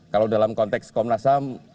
kalau dalam konteks komnas ham